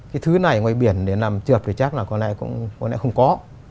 cái thứ này ngoài biển để làm trượt thì chắc là còn lại không có